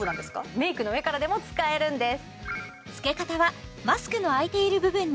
メイクの上からでも使えるんです